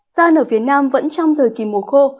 gian nở phía nam vẫn trong thời kỳ mùa khô